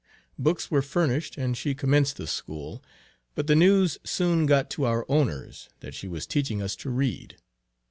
Books were furnished and she commenced the school; but the news soon got to our owners that she was teaching us to read.